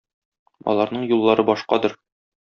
Аларның юллары башкадыр.